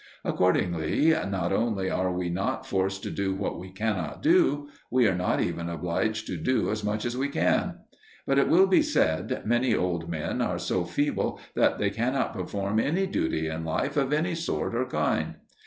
Accordingly not only are we not forced to do what we cannot do; we are not even obliged to do as much as we can. But, it will be said, many old men are so feeble that they cannot perform any duty in life of any sort or kind.